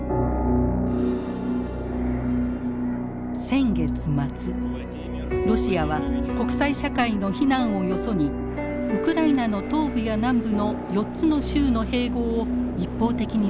先月末ロシアは国際社会の非難をよそにウクライナの東部や南部の４つの州の併合を一方的に宣言しました。